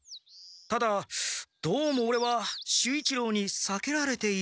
ただどうもオレは守一郎にさけられているようなのだが。